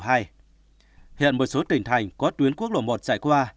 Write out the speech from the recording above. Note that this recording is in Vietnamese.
hiện một số tỉnh thành có tuyến quốc lộ một chạy qua